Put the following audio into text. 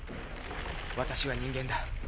私は人間だ。